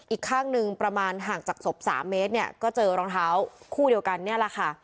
อีกข้างหนึ่งประมาณห่างจากศพ๓เมตรเนี่ยก็เจอรองเท้าคู่เดียวกันเนี่ยแหละค่ะ